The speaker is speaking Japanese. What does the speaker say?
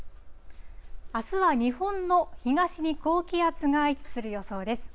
あすは日本の東に高気圧が位置する予想です。